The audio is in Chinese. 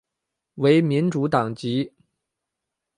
为民主党籍。